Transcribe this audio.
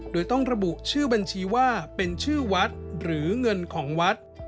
โดยต้องระบุชื่อบัญชีว่าเป็นชื่อวัดหรือเงินของวัด